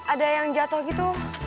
ada yang jatoh gitu